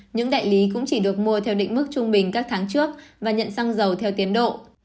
những đại lý cũng chỉ được mua theo định mức trung bình các tháng trước và nhận xăng dầu theo tiến độ